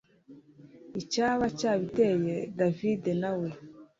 icyaba cyabiteye david nawe